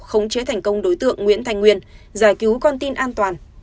khống chế thành công đối tượng nguyễn thành nguyên giải cứu con tin an toàn